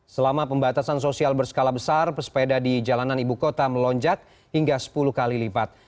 selama pembatasan sosial berskala besar pesepeda di jalanan ibu kota melonjak hingga sepuluh kali lipat